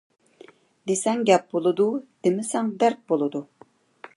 دىسەڭ گەپ بولىدۇ، دىمىسەڭ دەرد بولىدۇ.